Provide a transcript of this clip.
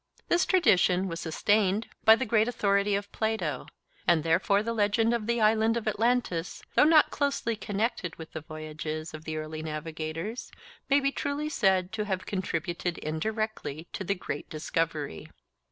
This tradition was sustained by the great authority of Plato, and therefore the legend of the Island of Atlantis, though not closely connected with the voyages of the early navigators, may be truly said to have contributed indirectly to the great discovery.